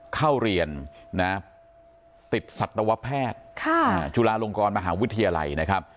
เข้าเรียนนะติดสัตวแพทย์จุฬาลงกรมหาวิทยาลัยนะครับ